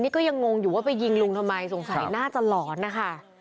นี่ก็ยังงงอยู่ว่าไปยิงลุงทำไมสงสัยน่าจะหลอนนะคะ